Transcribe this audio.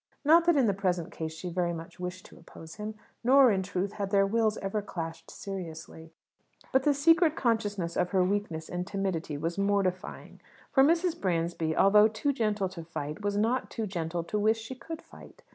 Not that in the present case she very much wished to oppose him. Nor, in truth, had their wills ever clashed seriously. But the secret consciousness of her weakness and timidity was mortifying: for Mrs. Bransby, although too gentle to fight, was not too gentle to wish she could fight.